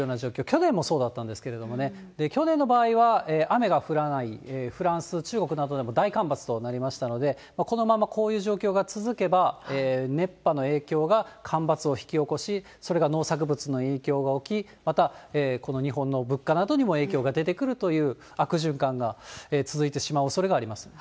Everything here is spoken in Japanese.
去年もそうだったんですけれどもね、去年の場合は、雨が降らない、フランス、中国などでも大干ばつとなりましたので、このままこういう状況が続けば、熱波の影響が干ばつを引き起こし、それが農作物の影響が起き、また、この日本の物価などにも影響が出てくるという悪循環が続いてしま